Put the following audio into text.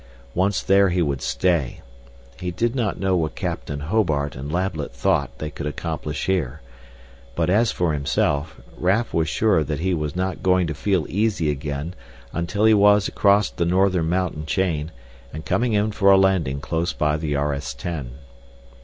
Once there he would stay. He did not know what Captain Hobart and Lablet thought they could accomplish here. But, as for himself, Raf was sure that he was not going to feel easy again until he was across the northern mountain chain and coming in for a landing close by the RS 10.